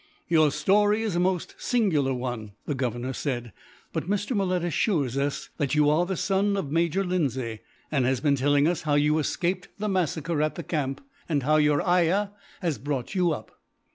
"Your story is a most singular one," the Governor said, "but Mr. Malet assures us that you are the son of Major Lindsay, and has been telling us how you escaped the massacre at the camp, and how your ayah has brought you up."